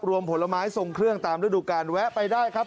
ผลไม้ทรงเครื่องตามฤดูการแวะไปได้ครับ